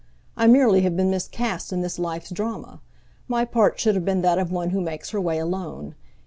I merely have been miscast in this life's drama. My part should have been that of one who makes her way alone.